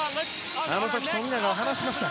あの時、富永は話しました。